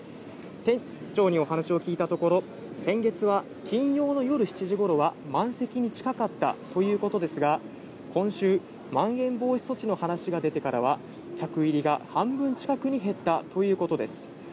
店長にお話を聞いたところ、先月は金曜の夜７時ごろは満席に近かったということですが、今週、まん延防止措置の話が出てからは、客入りが半分近くに減ったということです。